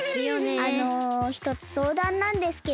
あのひとつそうだんなんですけど